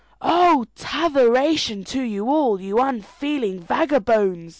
"Oh, tattheration to you all, you unfeeling vagabones!"